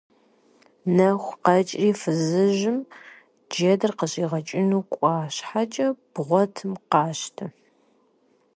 Нэху къекӀхэри фызыжьым джэдыр къыщӀигъэкӀыну кӀуа щхьэкӀэ, бгъуэтым къащтэ!